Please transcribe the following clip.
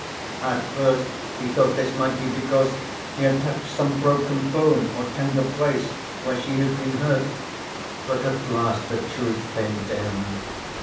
At first he thought this might be because he had touched some broken bone or tender place where she had been hurt, but at last the truth came to him.